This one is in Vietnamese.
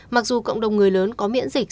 mặc dù cộng đồng người lớn có miễn dịch